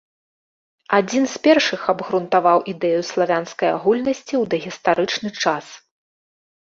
Адзін з першых абгрунтаваў ідэю славянскай агульнасці ў дагістарычны час.